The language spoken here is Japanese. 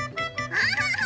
アハハ！